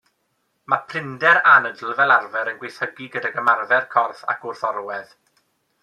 Mae prinder anadl fel arfer yn gwaethygu gydag ymarfer corff ac wrth orwedd.